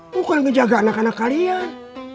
bukan ngejaga anak anak kalian